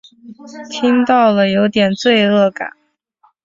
听到了有点罪恶感